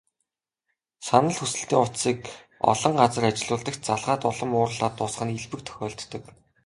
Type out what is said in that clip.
Санал хүсэлтийн утсыг олон газар ажиллуулдаг ч, залгаад улам уурлаад дуусах нь элбэг тохиолддог.